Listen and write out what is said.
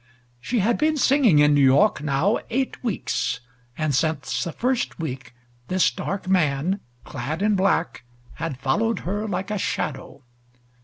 She had been singing in New York now eight weeks, and since the first week this dark man, clad in black, had followed her like a shadow.